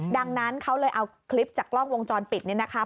ดังนั้นเขาเลยเอาคลิปจากกล้องวงจรปิดนี่นะคะ